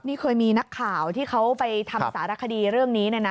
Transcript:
นี่เคยมีนักข่าวที่เขาไปทำสารคดีเรื่องนี้เนี่ยนะ